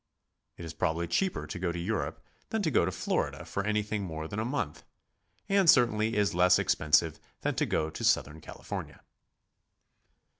It is probably cheaper to go to Europe than to go to Florida for anything more than a month; and certainly is less ex pensive than to go to Southern California.